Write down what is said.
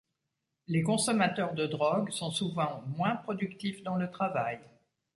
Les consommateurs de drogues sont souvent moins productifs dans le travail.